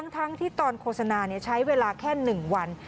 ทั้งที่ตอนโฆษณาใช้เวลาแค่๑วัน